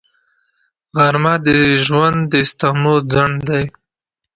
غرمه د ژوند د ستمو ځنډ دی